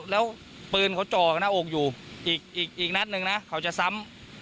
แล้วปืนเขาจ่อกับหน้าอกอยู่อีกนัดนึงนะเขาจะซ้ำ